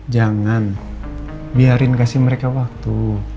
jangan biarin kasih mereka waktu